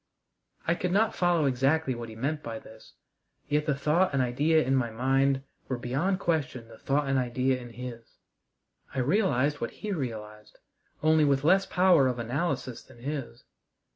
I could not follow exactly what he meant by this, yet the thought and idea in my mind were beyond question the thought and idea in his. I realized what he realized, only with less power of analysis than his.